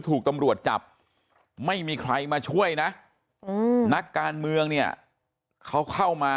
ถูกตำรวจจับไม่มีใครมาช่วยนะนักการเมืองเนี่ยเขาเข้ามา